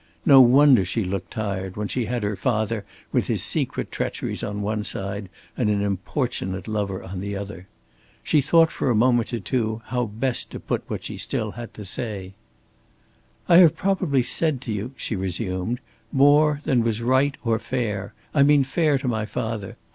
No wonder she looked tired when she had her father with his secret treacheries on one side and an importunate lover upon the other! She thought for a moment or two how best to put what she had still to stay: "I have probably said to you," she resumed, "more than was right or fair I mean fair to my father.